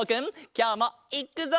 きょうもいっくぞ！